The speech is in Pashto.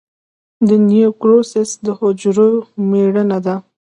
د نیکروسس د حجرو مړینه ده.